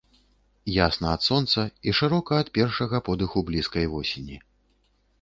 Ясна ад сонца і шырока ад першага подыху блізкай восені.